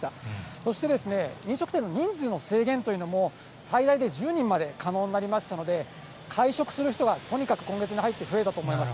そして、飲食店の人数の制限というのも、最大で１０人まで可能になりましたので、会食する人はとにかく今月に入って増えたと思います。